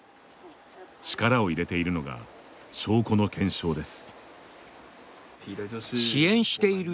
力を入れているのが証拠の検証です。